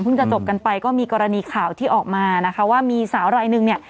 เพิ่งจะจบกันไปก็มีกรณีข่าวที่ออกมาว่ามีสาวอะไรหนึ่ง